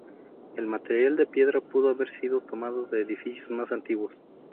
El material de piedra pudo haber sido tomado de edificios más antiguos.